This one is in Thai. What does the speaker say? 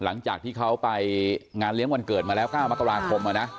หลังจากที่เขาไปงานเลี้ยงวันเกิดมาแล้ว๙มกราคม